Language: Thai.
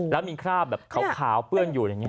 แล้วมีคราบแบบขาวเปื้อนอยู่อย่างนี้